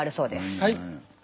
はい。